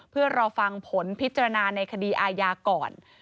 เพื่อรอฟังผลพิจารณาในคดีอาญาก่อน